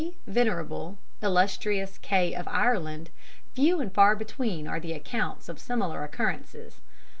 venerable, illustrious K. of Ireland, few and far between are the accounts of similar occurrences.